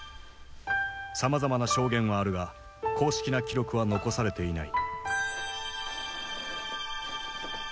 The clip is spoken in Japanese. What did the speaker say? さまざまな証言はあるが公式な記録は残されていない。